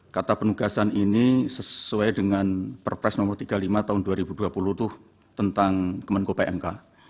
kata penugasan ini sesuai dengan perpres nomor tiga puluh lima tahun dua ribu dua puluh itu tentang kemenko pmk